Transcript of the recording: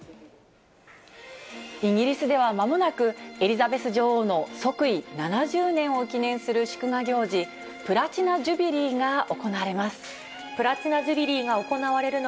イギリスではまもなく、エリザベス女王の即位７０年を記念する祝賀行事、プラチナ・ジュビリーが行われます。